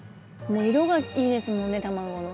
もう色がいいですもんね卵の。